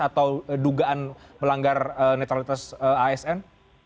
atau dugaan melanggar netralitas asn